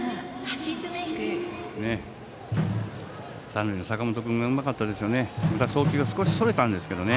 三塁の坂本君がうまかったですね。